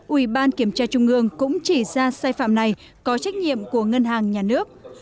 ủy ban kiểm tra trung ương cũng chỉ ra sai phạm này có trách nhiệm của ngân hàng nhà nước